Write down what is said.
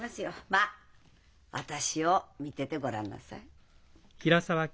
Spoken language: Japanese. まあ私を見ててごらんなさい。